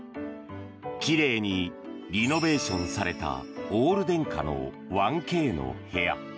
きれいにリノベーションされたオール電化の１Ｋの部屋。